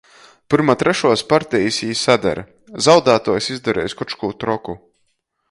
Pyrma trešuos partejis jī sader — zaudātuojs izdareis koč kū troku.